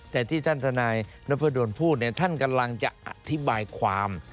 แต่ที่ท่านทนายนพดลพูดเนี่ยท่านกำลังจะอธิบายความ